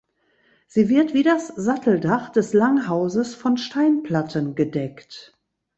Sie wird wie das Satteldach des Langhauses von Steinplatten gedeckt.